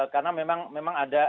karena memang ada